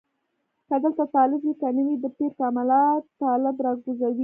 که دلته طالب وي که نه وي د پیر کمالات طالبان راکوزوي.